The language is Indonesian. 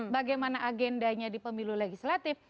bagaimana agendanya di pemilu legislatif